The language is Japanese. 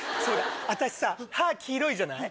私さ歯黄色いじゃない？